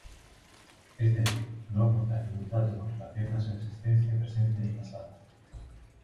Es decir, no aporta ningún dato con relación a su existencia presente ni pasada.